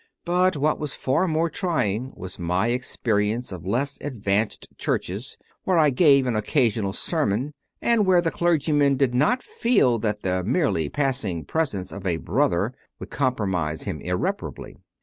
But what was far more trying was my experience of less advanced churches where I gave an occasional sermon, and where the clergy man did not feel that the merely passing presence of a "Brother" would compromise him irreparably.